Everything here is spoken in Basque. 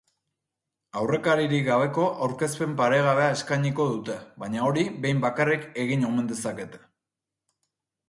Aurrekaririk gabeko aurkezpen paregabea eskainiko dute baina hori behin bakarrik egin omen dezakete.